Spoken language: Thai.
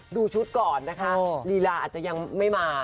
ดูชุดก่อนนะคะลีลาอาจจะยังไม่มา